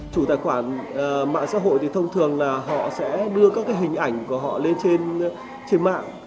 chủ tài khoản mạng xã hội thì thông thường là họ sẽ đưa các cái hình ảnh của họ lên trên mạng